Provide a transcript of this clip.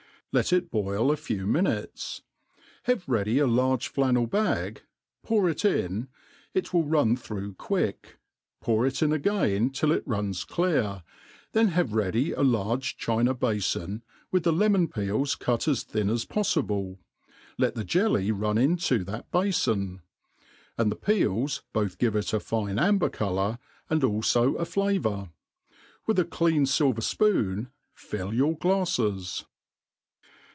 Let if boil a few minutes. Have ready a large flannel bag, pour it in, it will run through quick, pour it in again till it runs clear, then have ready a large china balbn, with the lemon peels cut as thin as pofBble, let the jelly run into that bafon $ and the peels both give it a fine amber colour^ and alfo a flavour i with a clean filver fpoon fill your glafies.